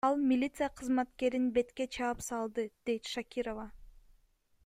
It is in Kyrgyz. Ал милиция кызматкерин бетке чаап салды, — дейт Шакирова.